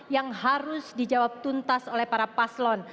yang harus dijawab tuntas oleh para paslon